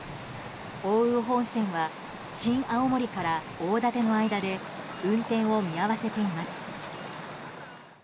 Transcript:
奥羽本線は新青森から大舘の間で運転を見合わせています。